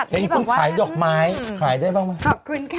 สวัสดีค่ะ